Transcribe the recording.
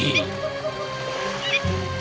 dia akan mati